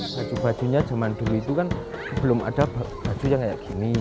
baju bajunya zaman dulu itu kan belum ada baju yang kayak gini